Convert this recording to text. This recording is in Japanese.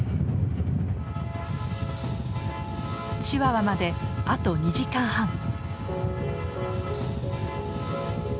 チワワまであと２時間半。